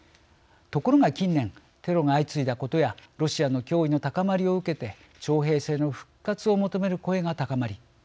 ところが近年テロが相次いだことやロシアの脅威の高まりを受けて徴兵制の復活を求める声が高まり